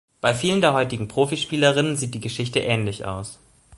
Bei vielen der heutigen Profi-Spielerinnen sieht die Geschichte ähnlich aus.